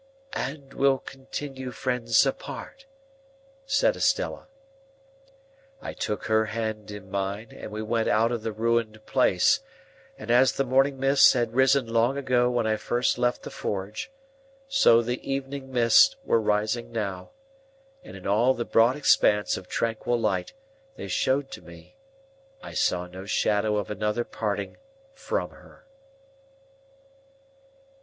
"And will continue friends apart," said Estella. I took her hand in mine, and we went out of the ruined place; and, as the morning mists had risen long ago when I first left the forge, so the evening mists were rising now, and in all the broad expanse of tranquil light they showed to me, I saw no shadow of another parting from her.